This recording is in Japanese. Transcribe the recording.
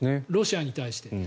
ロシアに対して。